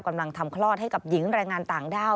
กำลังทำคลอดให้กับหญิงแรงงานต่างด้าว